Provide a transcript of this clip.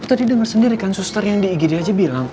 tadi dengar sendiri kan suster yang di igd aja bilang